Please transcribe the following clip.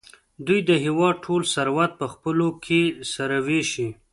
دوی د هېواد ټول ثروت په خپلو کې سره وېشي.